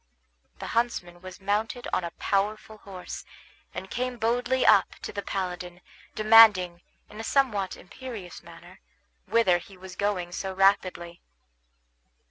The huntsman was mounted on a powerful horse, and came boldly up to the paladin, demanding, in a somewhat imperious manner, whither he was going so rapidly.